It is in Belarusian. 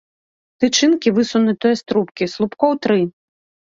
Тычынкі высунутыя з трубкі, слупкоў тры.